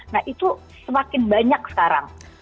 nah itu semakin banyak sekarang